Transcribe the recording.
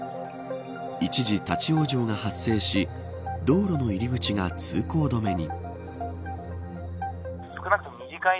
一時、立ち往生が発生し道路の入り口が通行止めに。